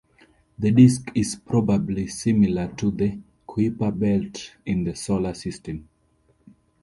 The disk is probably similar to the Kuiper belt in the Solar System.